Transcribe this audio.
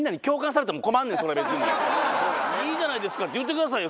「いいじゃないですか」って言ってくださいよ